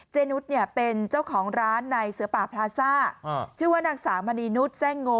นุษย์เนี่ยเป็นเจ้าของร้านในเสือป่าพลาซ่าชื่อว่านางสาวมณีนุษย์แทร่งโง